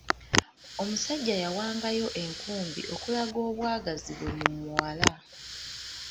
Omusajja yawangayo enkumbi okulaga obwagazi bwe mu muwala.